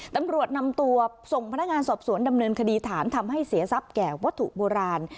ตำรวจนำตัวส่งพนักงานสอบสวนดำเนินคดีฐานทำให้เสียทรัพย์แก่วัตถุโบราณ